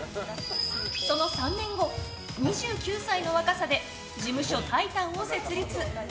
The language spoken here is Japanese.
その３年後、２９歳の若さで事務所タイタンを設立。